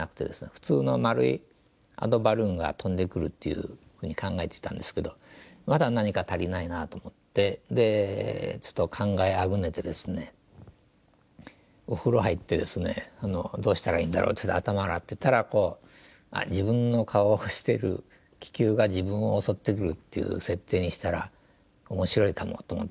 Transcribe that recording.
普通の丸いアドバルーンが飛んでくるっていうふうに考えてたんですけどまだ何か足りないなと思ってでちょっと考えあぐねてですねお風呂入ってですねどうしたらいいんだろうって頭洗ってたらこう自分の顔をしてる気球が自分を襲ってくるっていう設定にしたら面白いかもと思ってですね